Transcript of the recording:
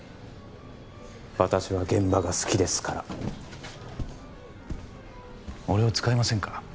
私は現場が好きですから俺を使いませんか？